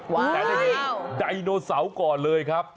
แต่ได้มีไดโนเสาก่อนเลยครับ